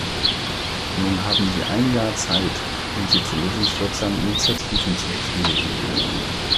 Nun haben Sie ein Jahr Zeit, um sie zu lösungswirksamen Initiativen zu befähigen.